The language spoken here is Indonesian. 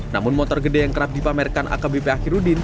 namun motor gede yang kerap dipamerkan akbp akhirudin